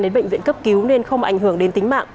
đến bệnh viện cấp cứu nên không ảnh hưởng đến tính mạng